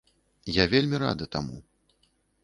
Я вельмі рада таму.